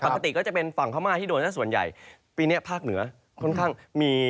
ปกติก็จะเป็นฝั่งพม่าที่โดยส่วนใหญ่ปีนี้ภาคเหนือค่อนข้างมี